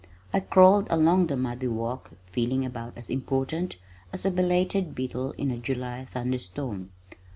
I crawled along the muddy walk feeling about as important as a belated beetle in a July thunderstorm.